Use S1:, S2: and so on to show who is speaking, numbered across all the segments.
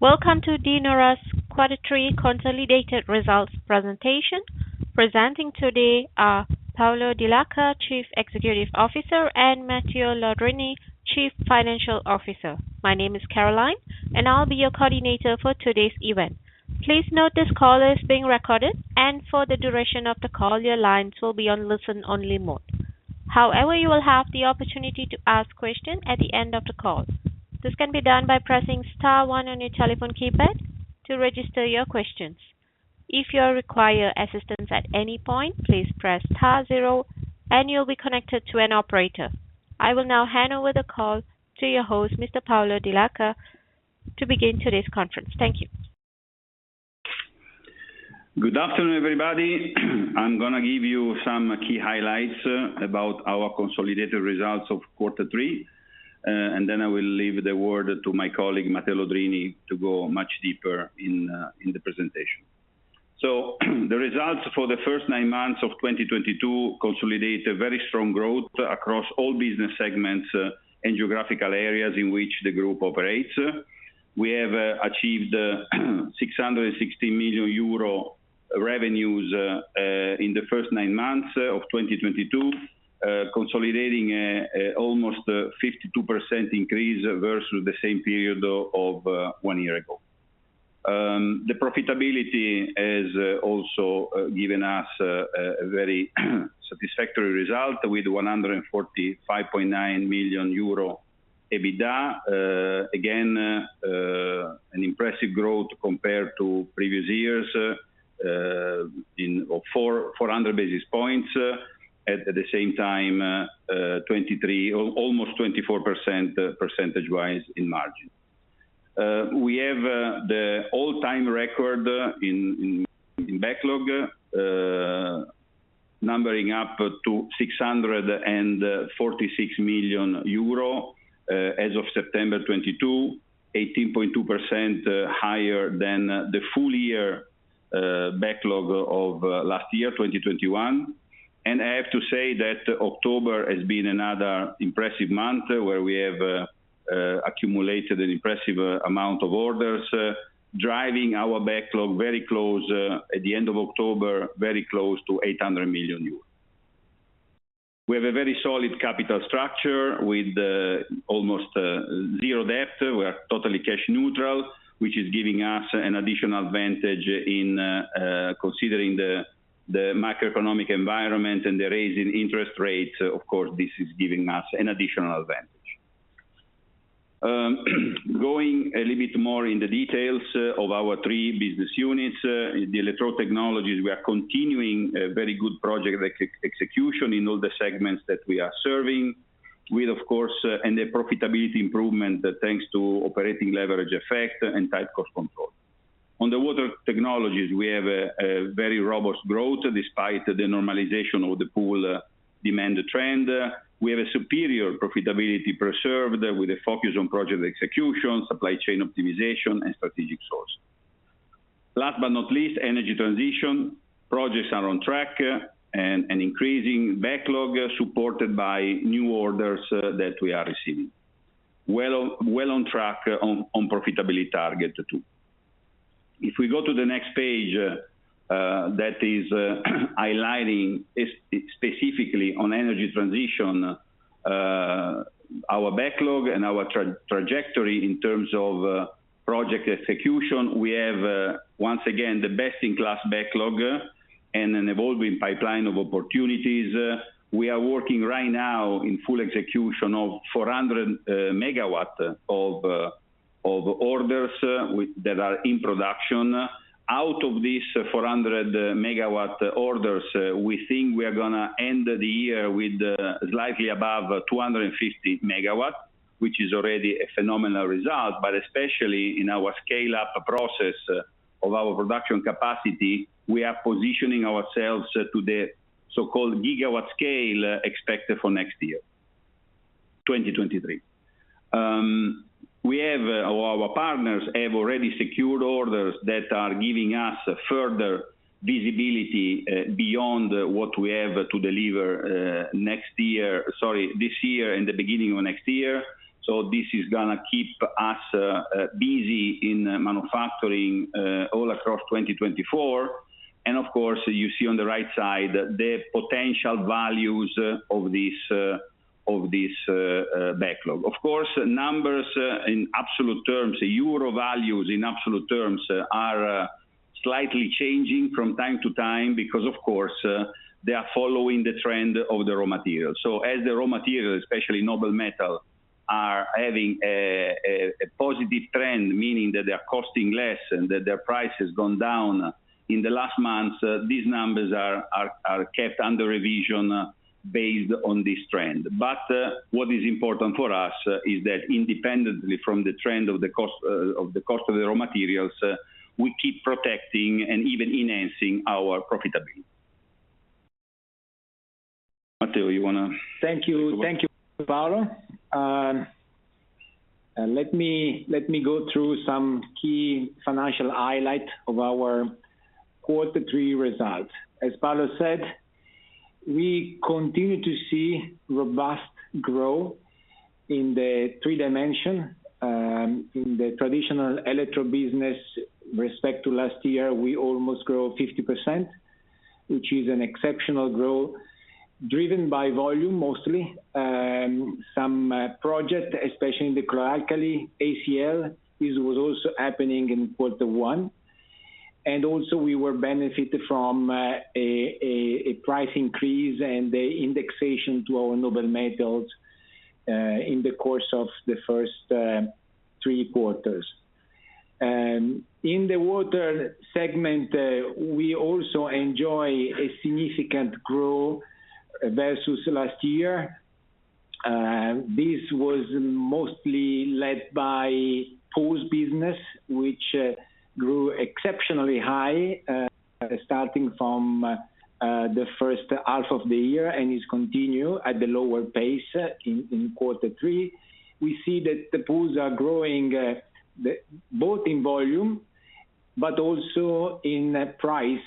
S1: Welcome to De Nora's quarter three consolidated results presentation. Presenting today are Paolo Dellachà, Chief Executive Officer, and Matteo Lodrini, Chief Financial Officer. My name is Caroline, and I'll be your coordinator for today's event. Please note this call is being recorded, and for the duration of the call, your lines will be on listen only mode. However, you will have the opportunity to ask questions at the end of the call. This can be done by pressing star one on your telephone keypad to register your questions. If you require assistance at any point, please press star zero and you'll be connected to an operator. I will now hand over the call to your host, Mr. Paolo Dellachà, to begin today's conference. Thank you.
S2: Good afternoon, everybody. I'm gonna give you some key highlights about our consolidated results of quarter three, and then I will leave the word to my colleague, Matteo Lodrini, to go much deeper in the presentation. The results for the first nine months of 2022 consolidate a very strong growth across all business segments and geographical areas in which the group operates. We have achieved 660 million euro revenues in the first nine months of 2022, consolidating almost 52% increase versus the same period of one year ago. The profitability has also given us a very satisfactory result with 145.9 million euro EBITDA. Again, an impressive growth compared to previous years of 400 basis points. At the same time, 23% almost 24% percentage-wise in margin. We have the all-time record in backlog, numbering up to 646 million euro, as of September 2022, 18.2% higher than the full year backlog of last year, 2021. I have to say that October has been another impressive month where we have accumulated an impressive amount of orders, driving our backlog very close at the end of October, very close to 800 million euros. We have a very solid capital structure with almost zero debt. We are totally cash neutral, which is giving us an additional advantage in considering the macroeconomic environment and the rise in interest rates. Of course, this is giving us an additional advantage. Going a little bit more in the details of our three business units. The Electrode Technologies, we are continuing a very good project execution in all the segments that we are serving with, of course, and a profitability improvement, thanks to operating leverage effect and tight cost control. On the Water Technologies, we have a very robust growth despite the normalization of the pool demand trend. We have a superior profitability preserved with a focus on project execution, supply chain optimization, and strategic sourcing. Last but not least, Energy Transition. Projects are on track and an increasing backlog supported by new orders that we are receiving. Well on track on profitability target too. If we go to the next page, that is highlighting specifically on Energy Transition, our backlog and our trajectory in terms of project execution. We have once again the best in class backlog and an evolving pipeline of opportunities. We are working right now in full execution of 400 MW of orders that are in production. Out of these 400 MW orders, we think we are gonna end the year with slightly above 250 MW, which is already a phenomenal result. Especially in our scale-up process of our production capacity, we are positioning ourselves to the so-called gigawatt scale expected for next year, 2023. Our partners have already secured orders that are giving us further visibility beyond what we have to deliver next year. Sorry, this year and the beginning of next year. This is gonna keep us busy in manufacturing all across 2024. Of course, you see on the right side the potential values of this backlog. Of course, numbers in absolute terms, Euro values in absolute terms are slightly changing from time to time because of course, they are following the trend of the raw materials. As the raw materials, especially noble metal, are having a positive trend, meaning that they are costing less and that their price has gone down in the last months, these numbers are kept under revision based on this trend. What is important for us is that independently from the trend of the cost of the raw materials, we keep protecting and even enhancing our profitability. Matteo, you want to
S3: Thank you. Thank you, Paolo. Let me go through some key financial highlight of our quarter three results. As Paolo said. We continue to see robust growth in the three dimensions. In the traditional electrode business, versus last year, we almost grow 50%, which is an exceptional growth, driven by volume mostly. Some projects, especially in the chlor-alkali, this was also happening in quarter one. Also we were benefited from a price increase and the indexation to our noble metals in the course of the first three quarters. In the water segment, we also enjoy a significant growth versus last year. This was mostly led by pools business, which grew exceptionally high starting from the first half of the year and is continue at the lower pace in quarter three. We see that the pools are growing. Both in volume, but also in price,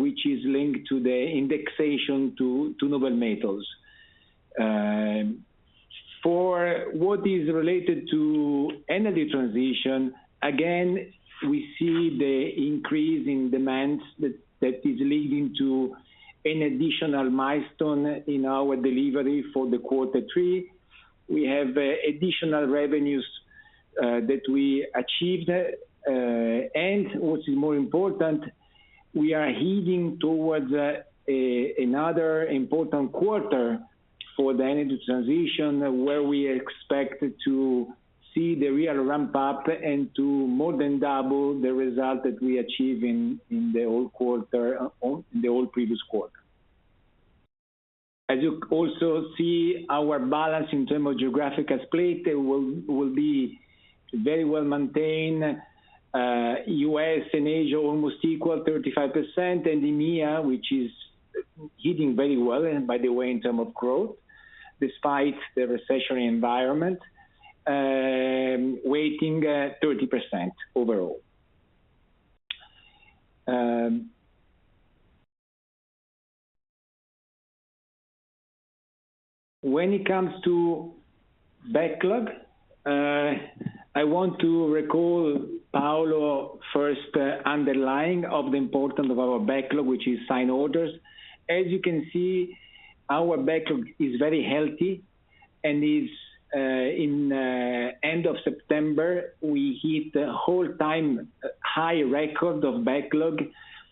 S3: which is linked to the indexation to noble metals. For what is related to Energy Transition, again, we see the increase in demand that is leading to an additional milestone in our delivery for quarter three. We have additional revenues that we achieved, and what is more important, we are heading towards another important quarter for the Energy Transition, where we expect to see the real ramp up and to more than double the result that we achieve in the whole previous quarter. As you also see, our balance in terms of geographical split will be very well maintained. U.S. and Asia almost equal 35%, and EMEA, which is hitting very well, by the way, in terms of growth, despite the recessionary environment, weighing 30% overall. When it comes to backlog, I want to recall Paolo first underlined the importance of our backlog, which is signed orders. As you can see, our backlog is very healthy, and at the end of September, we hit all-time high record of backlog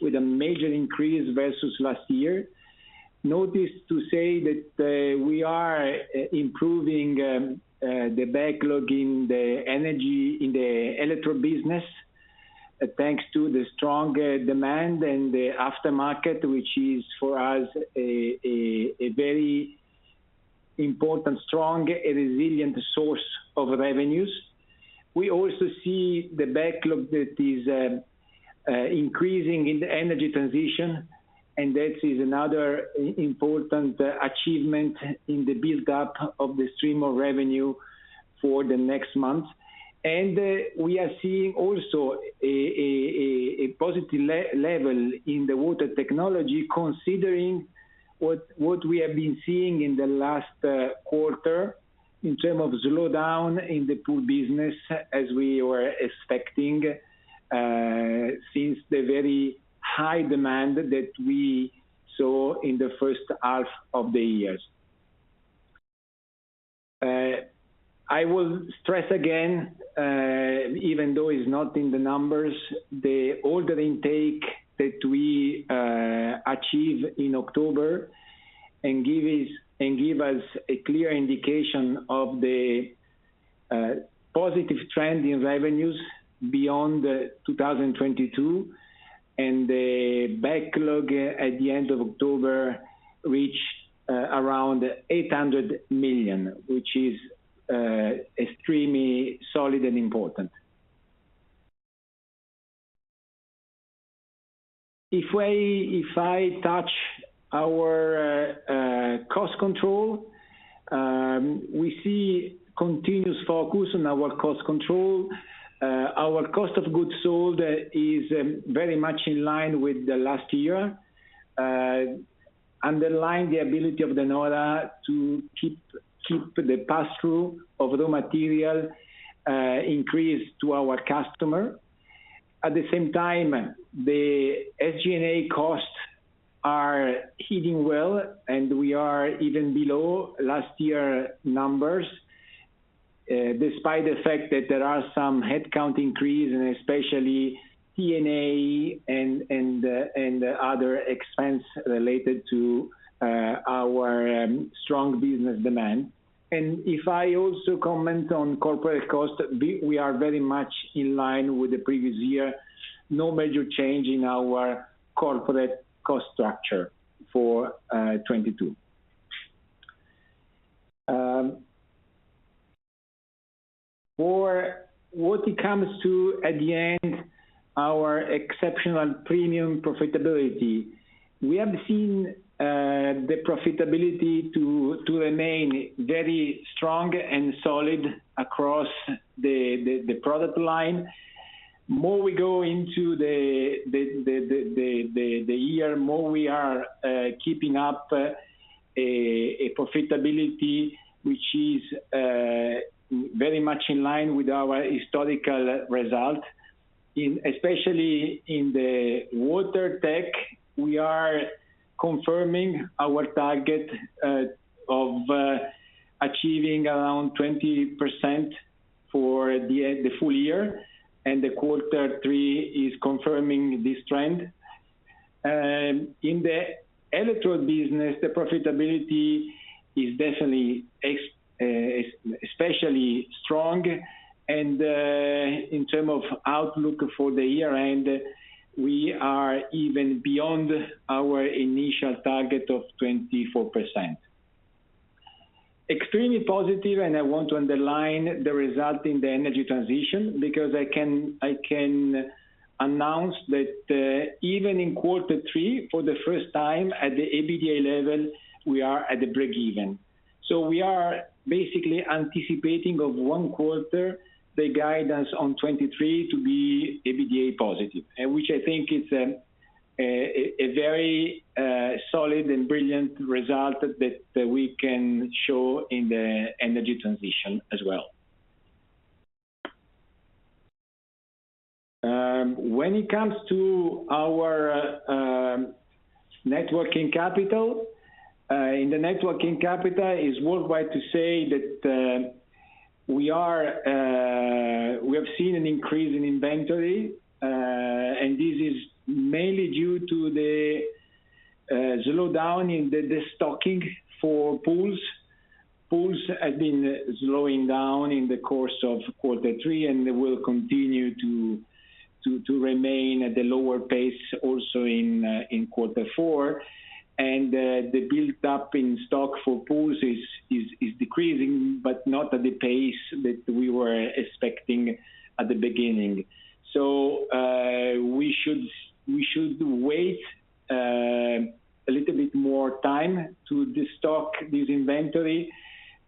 S3: with a major increase versus last year. Not to say that we are improving the backlog in the energy, in the electro business, thanks to the strong demand and the aftermarket, which is for us a very important, strong, and resilient source of revenues. We also see the backlog that is increasing in the Energy Transition, and that is another important achievement in the build-up of the stream of revenue for the next months. We are seeing also a positive level in the Water Technologies considering what we have been seeing in the last quarter in terms of slowdown in the pool business as we were expecting since the very high demand that we saw in the first half of the year. I will stress again, even though it's not in the numbers, the order intake that we achieve in October and gives us a clear indication of the positive trend in revenues beyond 2022, and the backlog at the end of October reached around 800 million, which is extremely solid and important. If I touch our cost control, we see continuous focus on our cost control. Our cost of goods sold is very much in line with the last year, underlying the ability of De Nora to keep the pass-through of raw material increase to our customer. At the same time, the SG&A costs are hitting well, and we are even below last year numbers, despite the fact that there are some headcount increase and especially T&E and other expense related to our strong business demand. If I also comment on corporate cost, we are very much in line with the previous year. No major change in our corporate cost structure for 2022. For what it comes to at the end, our exceptional premium profitability, we have seen the profitability to remain very strong and solid across the product line. More we go into the year, more we are keeping up a profitability which is very much in line with our historical result. Especially in the Water Technologies, we are confirming our target of achieving around 20% for the full year, and quarter three is confirming this trend. In the Electrode Technologies business, the profitability is definitely especially strong and, in terms of outlook for the year-end, we are even beyond our initial target of 24%. Extremely positive. I want to underline the result in the Energy Transition because I can announce that, even in quarter three, for the first time at the EBITDA level, we are at breakeven. We are basically anticipating of one quarter the guidance on 2023 to be EBITDA positive, which I think is a very solid and brilliant result that we can show in the Energy Transition as well. When it comes to our net working capital, we have seen an increase in inventory, and this is mainly due to the slowdown in the stocking for pools. Pools have been slowing down in the course of quarter three, and they will continue to remain at a lower pace also in quarter four. The buildup in stock for pools is decreasing, but not at the pace that we were expecting at the beginning. We should wait a little bit more time to destock this inventory,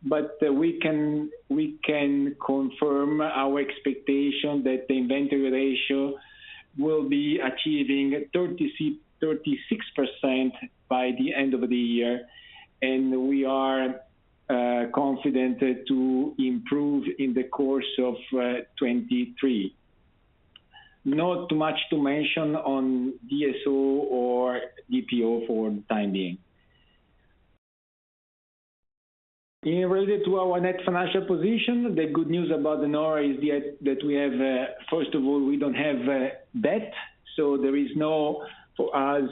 S3: but we can confirm our expectation that the inventory ratio will be achieving 36% by the end of the year, and we are confident to improve in the course of 2023. Not much to mention on DSO or DPO for the time being. In relation to our net financial position, the good news about Industrie De Nora is that we have. First of all, we don't have a debt, so there is no, for us,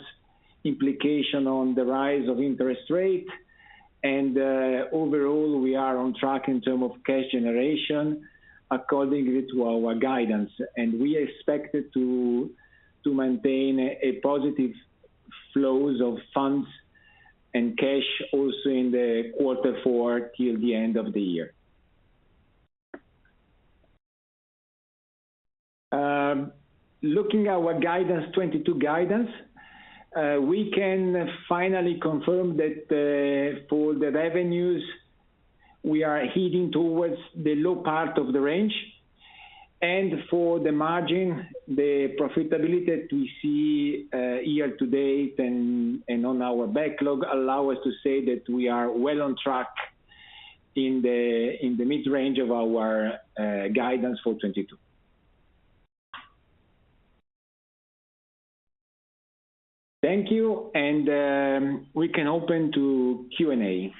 S3: implication on the rise of interest rate. Overall, we are on track in terms of cash generation according to our guidance. We are expected to maintain a positive flows of funds and cash also in quarter four till the end of the year. Looking at our guidance, 2022 guidance, we can finally confirm that, for the revenues, we are heading towards the low part of the range. For the margin, the profitability that we see, year to date and on our backlog allow us to say that we are well on track in the mid-range of our guidance for 2022. Thank you, we can open to Q&A.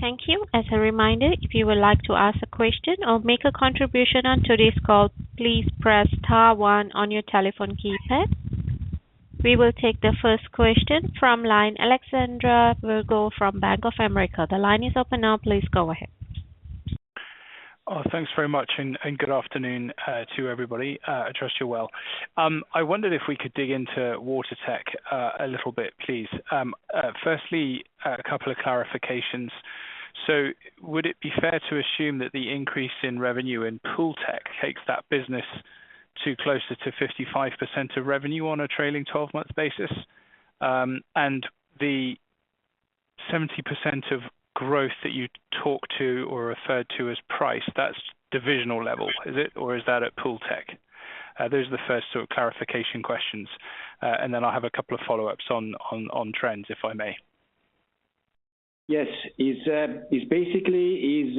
S1: Thank you. As a reminder, if you would like to ask a question or make a contribution on today's call, please press star one on your telephone keypad. We will take the first question from line Alexander Virgo from Bank of America. The line is open now. Please go ahead.
S4: Oh, thanks very much and good afternoon to everybody. I trust you're well. I wondered if we could dig into water tech a little bit, please. Firstly, a couple of clarifications. Would it be fair to assume that the increase in revenue in pool disinfection takes that business to closer to 55% of revenue on a trailing twelve months basis? And the 70% of growth that you talked to or referred to as price, that's divisional level, is it? Or is that at pool disinfection? Those are the first sort of clarification questions. I have a couple of follow-ups on trends, if I may.
S3: Yes. It's basically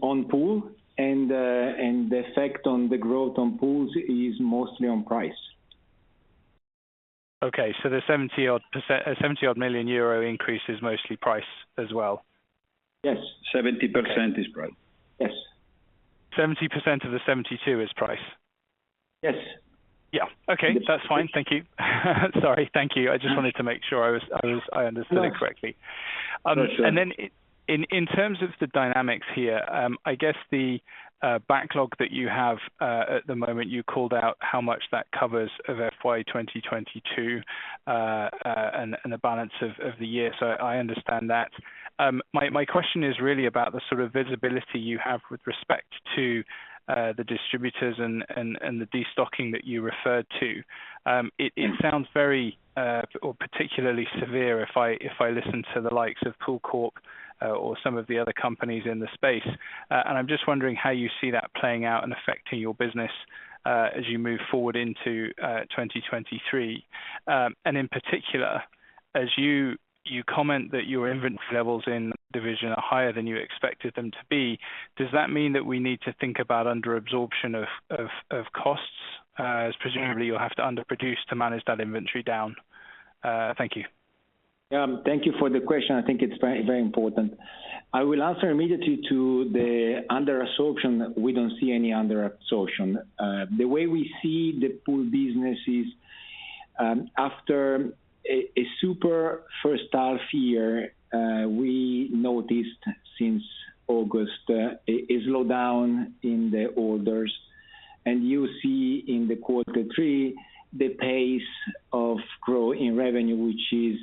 S3: on pool and the effect on the growth on pools is mostly on price.
S4: The 70-odd million euro increase is mostly price as well.
S3: Yes. 70% is price. Yes.
S4: 70% of the 72 is price?
S3: Yes.
S4: Yeah. Okay. That's fine. Thank you. Sorry. Thank you. I just wanted to make sure I was.
S3: Yes.
S4: I understood it correctly.
S3: For sure.
S4: Then in terms of the dynamics here, I guess the backlog that you have at the moment, you called out how much that covers of FY 2022 and the balance of the year. I understand that. My question is really about the sort of visibility you have with respect to the distributors and the destocking that you referred to.
S3: Mm-hmm.
S4: It sounds very or particularly severe if I listen to the likes of PoolCorp or some of the other companies in the space. I'm just wondering how you see that playing out and affecting your business as you move forward into 2023. In particular, as you comment that your inventory levels in division are higher than you expected them to be, does that mean that we need to think about under absorption of costs?
S3: Mm-hmm
S4: as presumably you'll have to underproduce to manage that inventory down? Thank you.
S3: Thank you for the question. I think it's very, very important. I will answer immediately to the under absorption. We don't see any under absorption. The way we see the pool business is, after a super first half year, we noticed since August, a slowdown in the orders. You see in the quarter three, the pace of growth in revenue, which is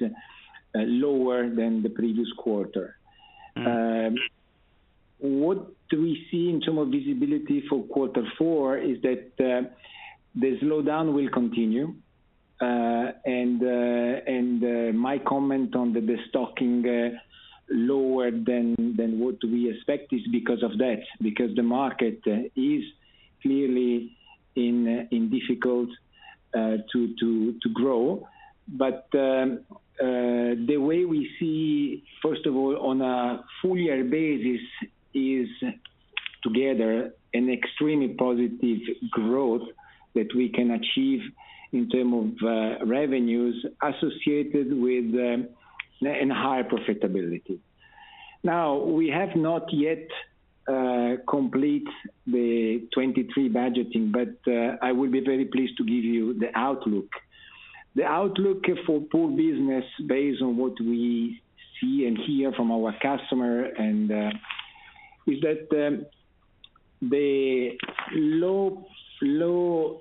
S3: lower than the previous quarter.
S4: Mm-hmm.
S3: What we see in terms of visibility for quarter four is that the slowdown will continue. My comment on the destocking lower than what we expect is because of that, because the market is clearly indeed difficult to grow. The way we see, first of all on a full year basis is together an extremely positive growth that we can achieve in terms of revenues associated with and higher profitability. Now, we have not yet completed the 2023 budgeting, but I will be very pleased to give you the outlook. The outlook for pool business based on what we see and hear from our customer and is that the low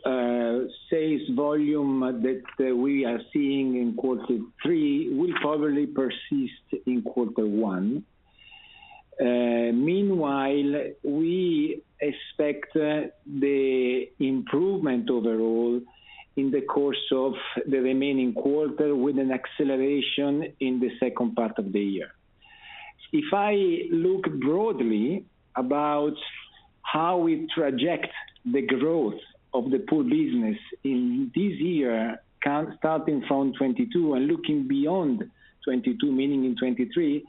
S3: sales volume that we are seeing in quarter three will probably persist in quarter one. Meanwhile, we expect the improvement overall in the course of the remaining quarter with an acceleration in the second part of the year. If I look broadly about how we project the growth of the pool business in this year count starting from 2022 and looking beyond 2022, meaning in 2023,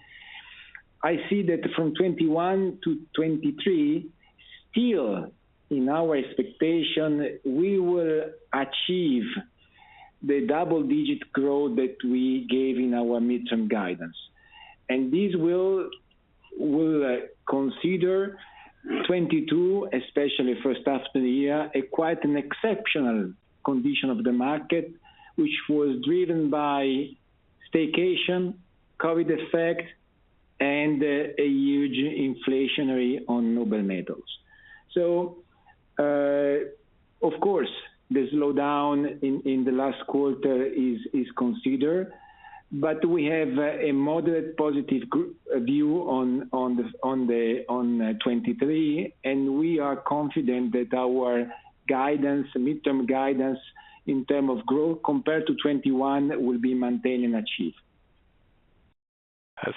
S3: I see that from 2021-2023, still in our expectation, we will achieve the double digit growth that we gave in our mid-term guidance. This will consider 2022, especially first half of the year, a quite an exceptional condition of the market, which was driven by staycation, COVID effect, and a huge inflation on noble metals. Of course, the slowdown in the last quarter is considered, but we have a moderate positive group view on 2023, and we are confident that our guidance, midterm guidance in terms of growth compared to 2021 will be maintained and achieved.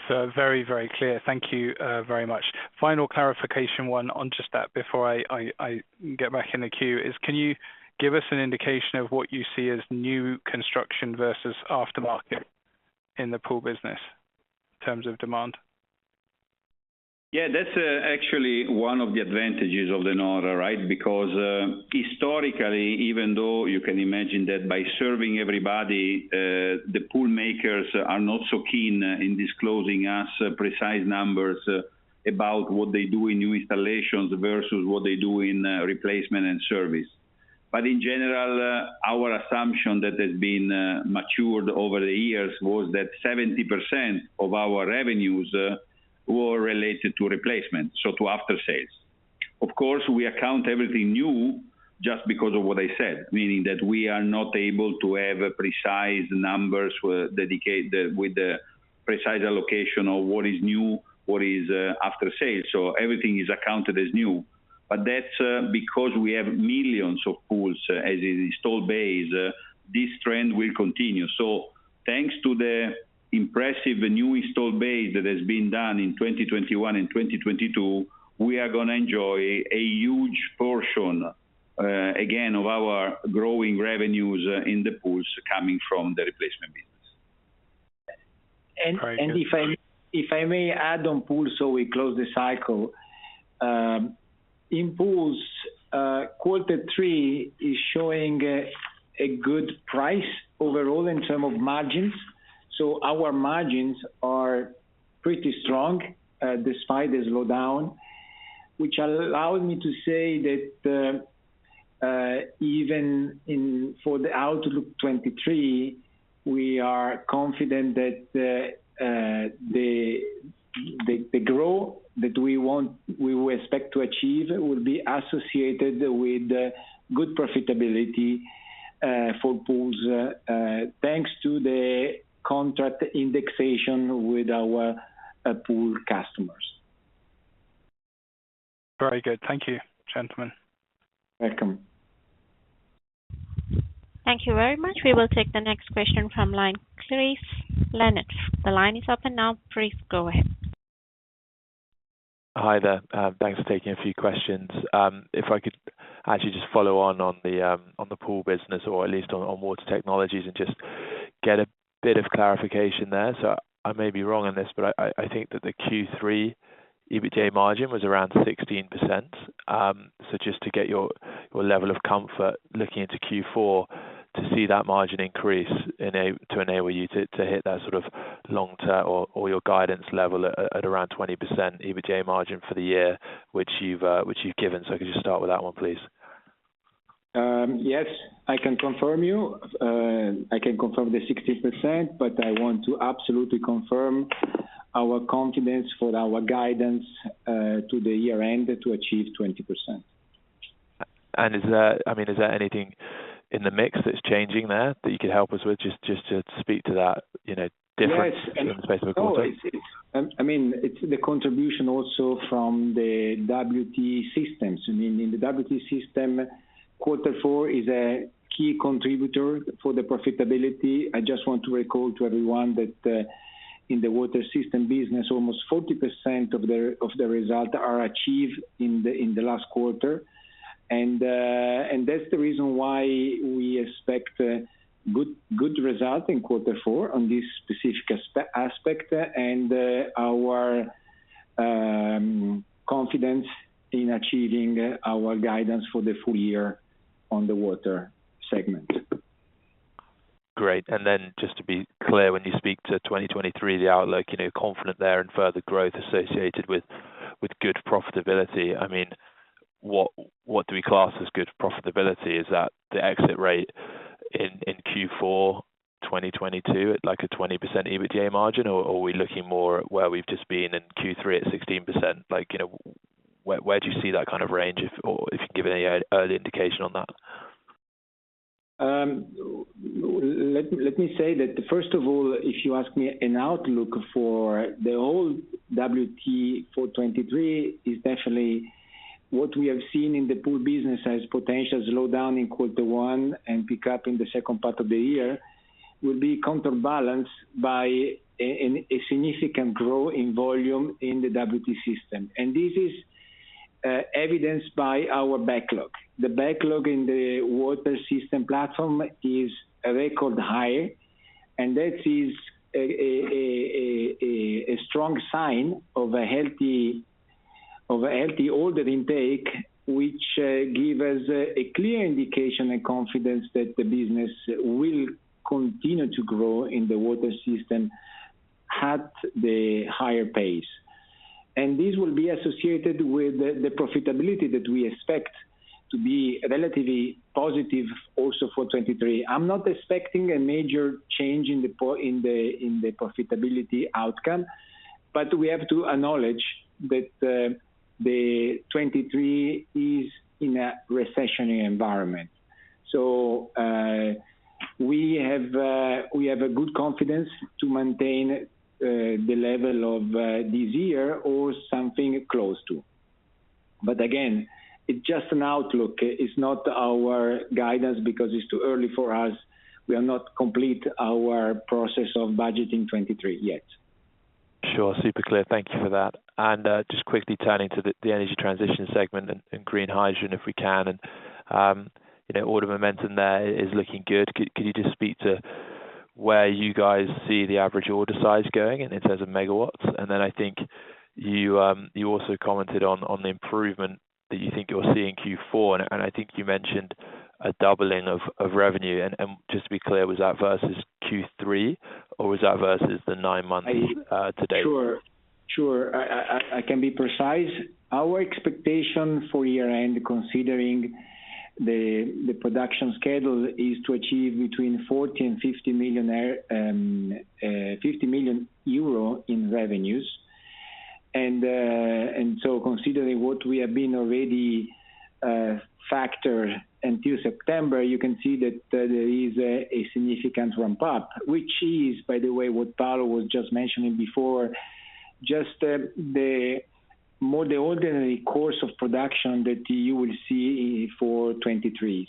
S4: That's very clear. Thank you very much. Final clarification, one on just that before I get back in the queue is can you give us an indication of what you see as new construction versus aftermarket in the pool business in terms of demand?
S2: Yeah. That's actually one of the advantages of De Nora, right? Because historically, even though you can imagine that by serving everybody, the pool makers are not so keen on disclosing to us precise numbers about what they do in new installations versus what they do in replacement and service. In general, our assumption that has been matured over the years was that 70% of our revenues were related to replacement, so to after sales. Of course, we account everything new just because of what I said, meaning that we are not able to have precise numbers dedicated with the precise allocation of what is new, what is after sale. Everything is accounted as new. That's because we have millions of pools as an installed base. This trend will continue. Thanks to the impressive new installed base that has been done in 2021 and 2022, we are gonna enjoy a huge portion, again of our growing revenues in the pools coming from the replacement business.
S4: All right.
S3: If I may add on pools so we close the cycle. In pools, quarter three is showing a good price overall in terms of margins. Our margins are pretty strong despite the slowdown, which allows me to say that for the outlook 2023, we are confident that the growth that we want we will expect to achieve will be associated with good profitability for pools, thanks to the contract indexation with our pool customers.
S4: Very good. Thank you, gentlemen.
S2: Welcome.
S1: Thank you very much. We will take the next question from line Chris Leonard. The line is open now. Chris, go ahead.
S5: Hi there. Thanks for taking a few questions. If I could actually just follow on the pool business or at least on Water Technologies and just get a bit of clarification there. I may be wrong on this, but I think that the Q3 EBITDA margin was around 16%. Just to get your level of comfort looking into Q4 to see that margin increase to enable you to hit that sort of long-term or your guidance level at around 20% EBITDA margin for the year, which you've given. Could you start with that one, please?
S3: Yes, I can confirm the 60%, but I want to absolutely confirm our confidence for our guidance to the year-end to achieve 20%.
S5: Is that? I mean, is there anything in the mix that's changing there that you could help us with just to speak to that, you know, difference.
S3: Yes.
S5: From the specific quarter?
S3: No, it is. I mean, it's the contribution also from the WT systems. I mean, in the WT system, quarter four is a key contributor for the profitability. I just want to recall to everyone that, in the water system business, almost 40% of the result are achieved in the last quarter. That's the reason why we expect good result in quarter four on this specific aspect, and our confidence in achieving our guidance for the full year on the water segment.
S5: Great. Then just to be clear, when you speak to 2023, the outlook, you know, confident there and further growth associated with good profitability. I mean, what do we class as good profitability? Is that the exit rate in Q4 2022 at like a 20% EBITDA margin, or we're looking more at where we've just been in Q3 at 16%? Like, you know, where do you see that kind of range, or if you can give any early indication on that?
S3: Let me say that first of all, if you ask me an outlook for the whole WT for 2023 is definitely what we have seen in the pool business as potential slowdown in quarter one and pick up in the second part of the year, will be counterbalanced by a significant growth in volume in the WT system. This is evidenced by our backlog. The backlog in the water system platform is a record high, and that is a strong sign of a healthy order intake, which give us a clear indication and confidence that the business will continue to grow in the water system at the higher pace. This will be associated with the profitability that we expect to be relatively positive also for 2023. I'm not expecting a major change in the profitability outcome, but we have to acknowledge that the 2023 is in a recessionary environment. We have a good confidence to maintain the level of this year or something close to. Again, it's just an outlook. It's not our guidance because it's too early for us. We have not complete our process of budgeting 2023 yet.
S5: Sure. Super clear. Thank you for that. Just quickly turning to the Energy Transition segment and green hydrogen if we can. You know, order momentum there is looking good. Can you just speak to where you guys see the average order size going in terms of megawatts? Then I think you also commented on the improvement that you think you'll see in Q4, and I think you mentioned a doubling of revenue. Just to be clear, was that versus Q3 or was that versus the nine months to date?
S3: Sure. I can be precise. Our expectation for year-end, considering the production schedule, is to achieve between 40 million and 50 million euro in revenues. Considering what we have been already factored until September, you can see that there is a significant ramp up, which is, by the way, what Paolo was just mentioning before, just the more ordinary course of production that you will see for 2023.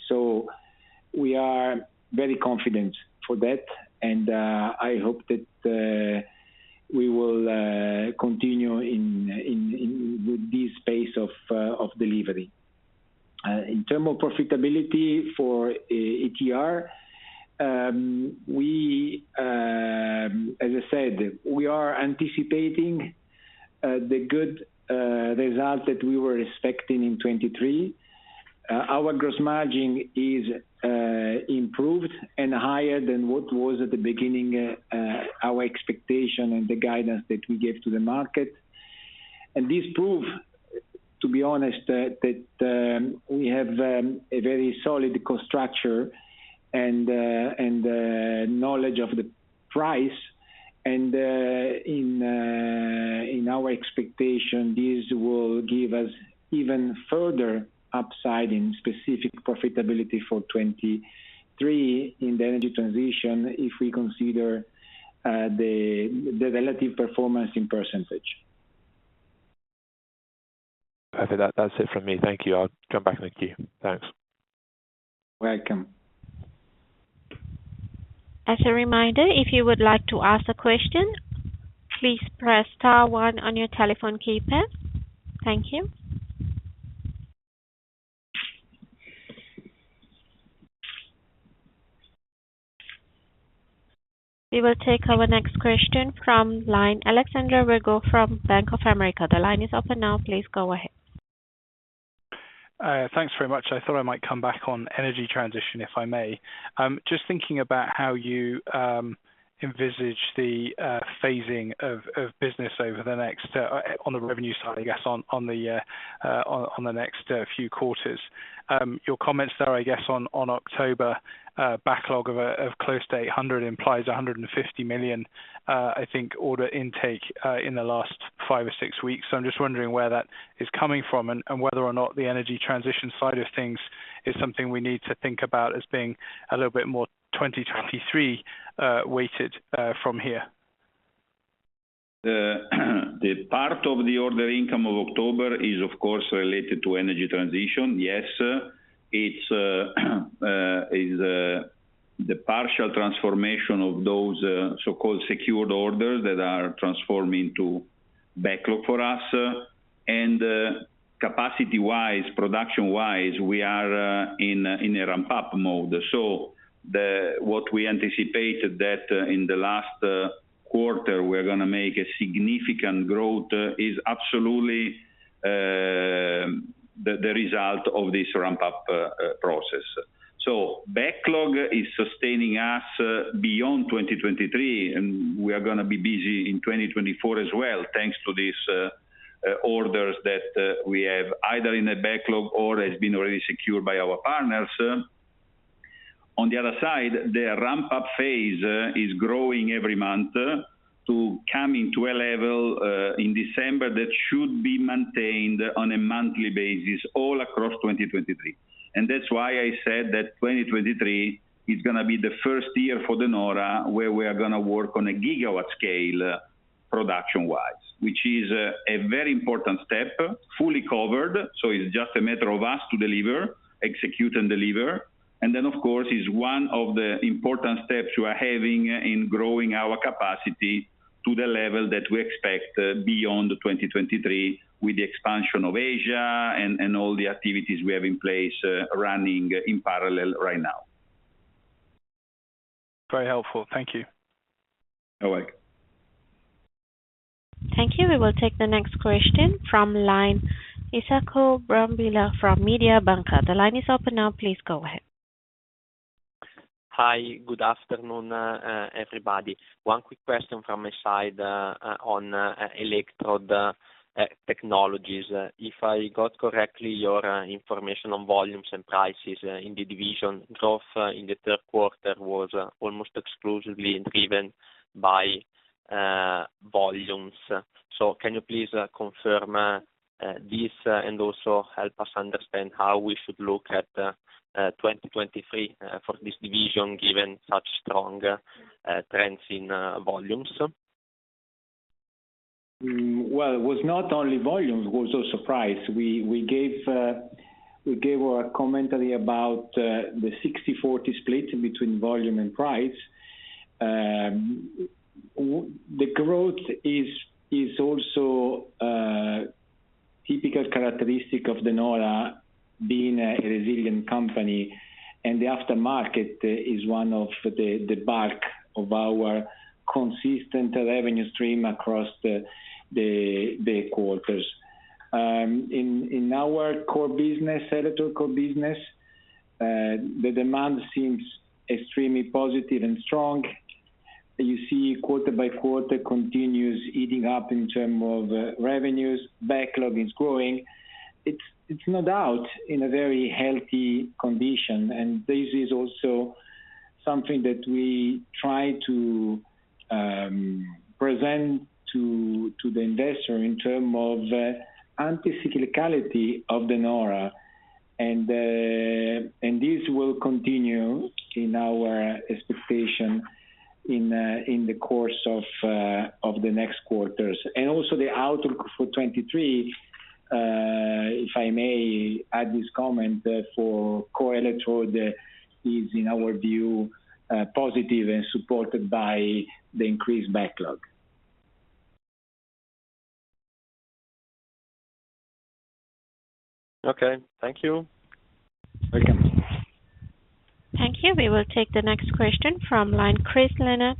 S3: We are very confident for that, and I hope that we will continue in with this pace of delivery. In terms of profitability for ATR, as I said, we are anticipating the good result that we were expecting in 2023. Our gross margin is improved and higher than what was at the beginning our expectation and the guidance that we gave to the market. This prove, to be honest, that we have a very solid cost structure and knowledge of the price. In our expectation, this will give us even further upside in specific profitability for 2023 in the Energy Transition if we consider the relative performance in percentage.
S5: Okay, that's it from me. Thank you. I'll come back in the queue. Thanks.
S2: Welcome.
S1: As a reminder, if you would like to ask a question, please press star one on your telephone keypad. Thank you. We will take our next question from line Alexander Virgo from Bank of America. The line is open now. Please go ahead.
S4: Thanks very much. I thought I might come back on Energy Transition, if I may. Just thinking about how you envisage the phasing of business over the next few quarters on the revenue side, I guess. Your comments there, I guess, on October backlog of close to 800 million implies 150 million order intake in the last five or six weeks, I think. I'm just wondering where that is coming from and whether or not the Energy Transition side of things is something we need to think about as being a little bit more 2023 weighted from here.
S2: The part of the order intake of October is, of course, related to Energy Transition. Yes. It's the partial transformation of those so-called secured orders that are transforming to backlog for us. Capacity-wise, production-wise, we are in a ramp-up mode. What we anticipated that in the last quarter we're gonna make a significant growth is absolutely the result of this ramp-up process. Backlog is sustaining us beyond 2023, and we are gonna be busy in 2024 as well, thanks to these orders that we have either in a backlog or has been already secured by our partners. On the other side, the ramp-up phase is growing every month to coming to a level in December that should be maintained on a monthly basis all across 2023. That's why I said that 2023 is gonna be the first year for De Nora, where we are gonna work on a gigawatt scale production-wise. Which is a very important step, fully covered, so it's just a matter of us to deliver, execute and deliver. Then, of course, is one of the important steps we are having in growing our capacity to the level that we expect beyond 2023 with the expansion of Asia and all the activities we have in place running in parallel right now.
S4: Very helpful. Thank you.
S2: You're welcome.
S1: Thank you. We will take the next question from line Isacco Brambilla from Mediobanca. The line is open now. Please go ahead.
S6: Hi. Good afternoon, everybody. One quick question from my side, on Electrode Technologies. If I got correctly, your information on volumes and prices in the division growth in the third quarter was almost exclusively driven by volumes. Can you please confirm this, and also help us understand how we should look at 2023 for this division, given such strong trends in volumes?
S2: Well, it was not only volumes, it was also price. We gave our commentary about the 60/40 split between volume and price. The growth is also a typical characteristic of De Nora being a resilient company, and the aftermarket is one of the bulk of our consistent revenue stream across the quarters. In our core business, electrochemical business, the demand seems extremely positive and strong. You see quarter by quarter continues eating up in terms of revenues. Backlog is growing. It's no doubt in a very healthy condition, and this is also something that we try to present to the investor in terms of anti-cyclicality of De Nora. This will continue in our expectation in the course of the next quarters. Also the outlook for 2023, if I may add this comment, for core electrode is, in our view, positive and supported by the increased backlog.
S6: Okay. Thank you.
S2: Welcome.
S1: Thank you. We will take the next question from line Chris Leonard.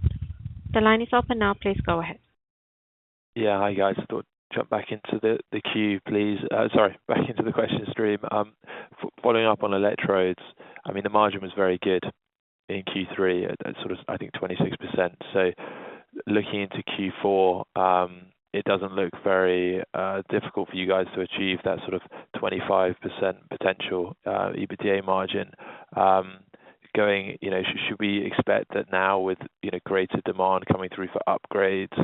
S1: The line is open now. Please go ahead.
S5: Hi, guys. Back into the question stream, please. Following up on electrodes, I mean, the margin was very good in Q3 at sort of, I think, 26%. Looking into Q4, it doesn't look very difficult for you guys to achieve that sort of 25% potential EBITDA margin. You know, should we expect that now with, you know, greater demand coming through for upgrades,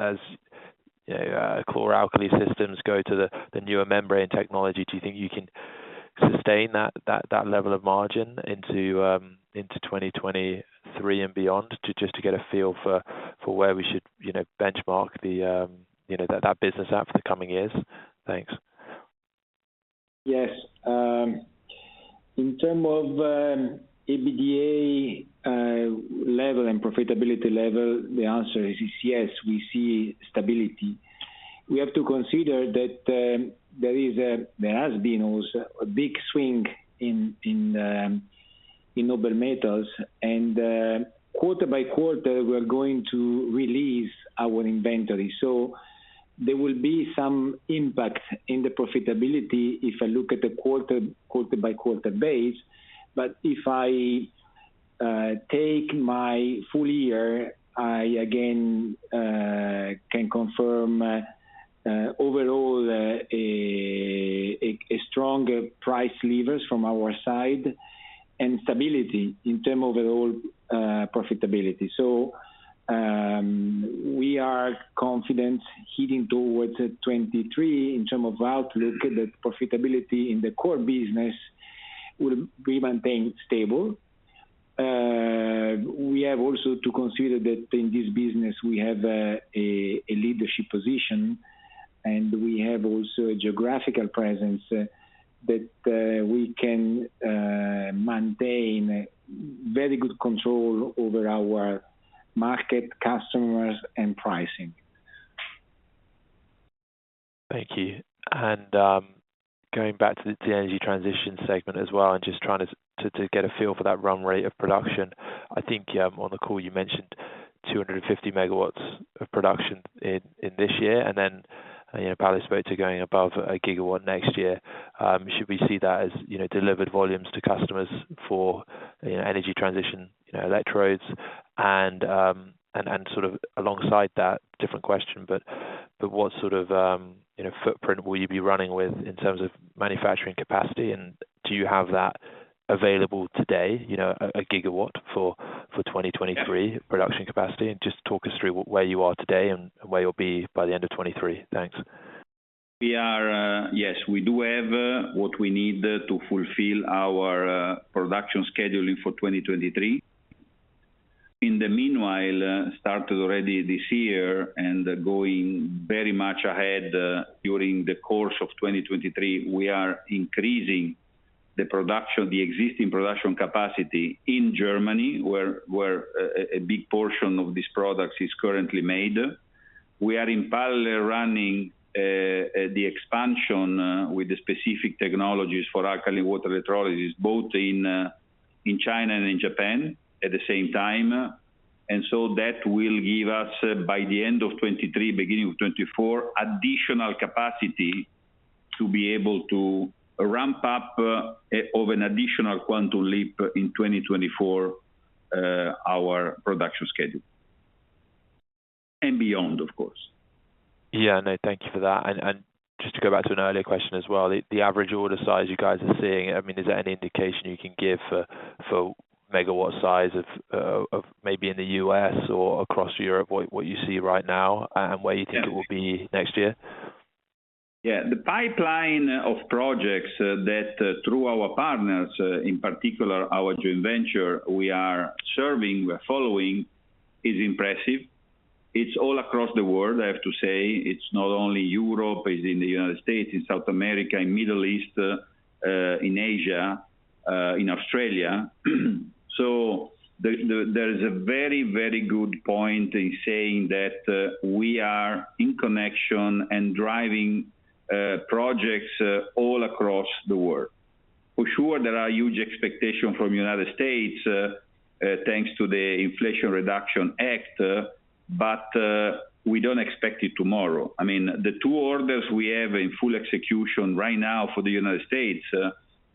S5: as, you know, chlor-alkali systems go to the newer membrane technology, do you think you can Sustain that level of margin into 2023 and beyond? To get a feel for where we should, you know, benchmark that business at for the coming years. Thanks.
S2: Yes. In terms of EBITDA level and profitability level, the answer is yes, we see stability. We have to consider that there has been also a big swing in noble metals, and quarter by quarter, we are going to release our inventory. There will be some impact in the profitability if I look at the quarter-by-quarter basis. If I take my full year, I again can confirm overall a stronger price levers from our side and stability in terms of overall profitability. We are confident heading towards 2023 in terms of outlook that profitability in the core business will remain stable. We have also to consider that in this business we have a leadership position, and we have also a geographical presence that we can maintain very good control over our market, customers, and pricing.
S5: Thank you. Going back to the Energy Transition segment as well, and just trying to get a feel for that run rate of production. I think on the call you mentioned 250 MW of production in this year, and then, you know, probably spoke to going above a gigawatt next year. Should we see that as, you know, delivered volumes to customers for, you know, Energy Transition, you know, electrodes? And sort of alongside that different question, but what sort of, you know, footprint will you be running with in terms of manufacturing capacity, and do you have that available today, you know, a gigawatt for 2023 production capacity? Just talk us through where you are today and where you'll be by the end of 2023. Thanks.
S2: We are, yes, we do have what we need to fulfill our production scheduling for 2023. In the meanwhile, started already this year and going very much ahead, during the course of 2023, we are increasing the production, the existing production capacity in Germany, where a big portion of these products is currently made. We are in parallel running the expansion with the specific technologies for alkaline water electrolysis, both in China and in Japan at the same time. That will give us, by the end of 2023, beginning of 2024, additional capacity to be able to ramp up of an additional quantum leap in 2024 our production schedule. Beyond, of course.
S5: Yeah. No, thank you for that. Just to go back to an earlier question as well, the average order size you guys are seeing, I mean, is there any indication you can give for megawatt size of maybe in the U.S. or across Europe, what you see right now and where you think it will be next year?
S2: Yeah. The pipeline of projects that through our partners, in particular our joint venture, we are serving, we're following, is impressive. It's all across the world, I have to say. It's not only Europe. It's in the United States, in South America, in Middle East, in Asia, in Australia. There is a very good point in saying that, we are in connection and driving, projects, all across the world. For sure, there are huge expectation from United States, thanks to the Inflation Reduction Act, but we don't expect it tomorrow. I mean, the two orders we have in full execution right now for the United States,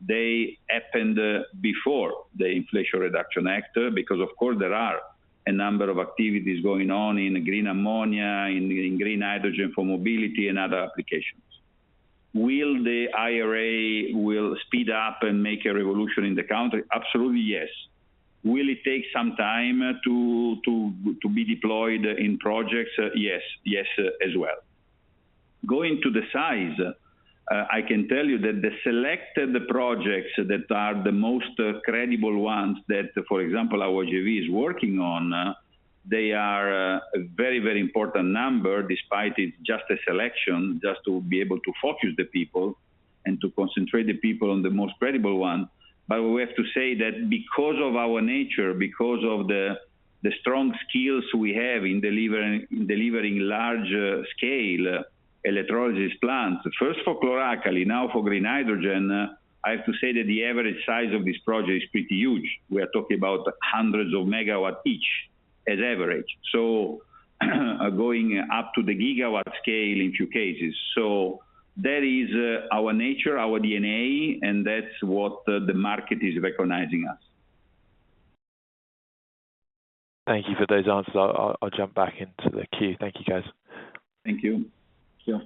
S2: they happened, before the Inflation Reduction Act, because of course there are a number of activities going on in green ammonia, in green hydrogen for mobility and other applications. Will the IRA speed up and make a revolution in the country? Absolutely, yes. Will it take some time to be deployed in projects? Yes. Yes, as well. Going to the size, I can tell you that the selected projects that are the most credible ones that, for example, our JV is working on, they are, a very important number despite it's just a selection, just to be able to focus the people and to concentrate the people on the most credible one. We have to say that because of our nature, because of the strong skills we have in delivering large scale electrolysis plants, first for chlor-alkali, now for green hydrogen. I have to say that the average size of this project is pretty huge. We are talking about hundreds of megawatts each as average. Going up to the gigawatt scale in few cases. That is our nature, our DNA, and that's what the market is recognizing us.
S5: Thank you for those answers. I'll jump back into the queue. Thank you, guys.
S2: Thank you. Sure.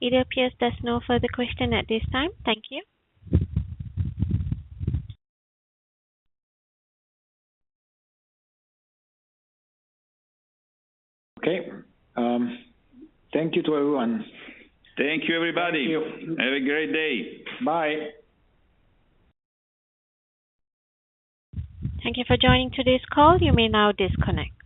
S1: It appears there's no further question at this time. Thank you.
S2: Okay. Thank you to everyone. Thank you, everybody. Thank you. Have a great day. Bye.
S1: Thank you for joining today's call. You may now disconnect.